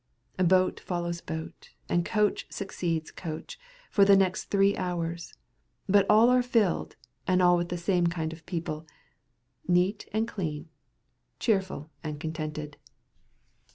Boat follows boat, and coach succeeds coach, for the next three hours; but all are filled, and all with the same kind of people—neat and clean, cheerful and contented.